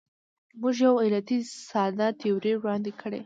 موږ یو علتي ساده تیوري وړاندې کړې.